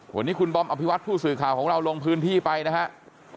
วันนี้คุณบอมอภิวัตผู้สื่อข่าวของเราลงพื้นที่ไปนะครับ